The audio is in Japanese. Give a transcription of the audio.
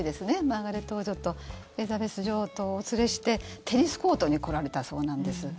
マーガレット王女とエリザベス女王とをお連れしてテニスコートに来られたそうなんです。